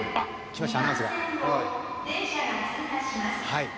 「はい。